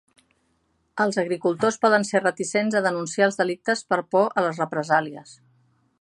Els agricultors poden ser reticents a denunciar els delictes per por a les represàlies.